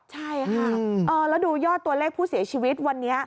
ใช่ค่ะแล้วดูยอดตัวเลขผู้เสียชีวิตวันนี้